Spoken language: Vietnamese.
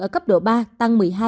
ở cấp độ ba tăng một mươi hai